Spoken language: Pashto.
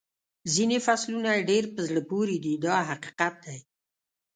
ځینې فصلونه یې ډېر په زړه پورې دي دا حقیقت دی.